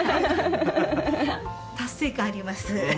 達成感あります。